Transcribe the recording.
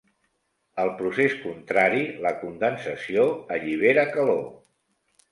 El procés contrari, la condensació, allibera calor.